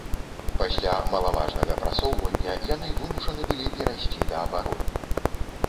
Пасля малаважнага прасоўвання яны вымушаны былі перайсці да абароны.